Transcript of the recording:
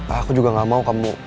aku juga gak mau kamu